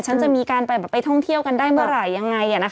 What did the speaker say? ฉันจะมีการไปท่องเที่ยวกันได้เมื่อไหร่ยังไง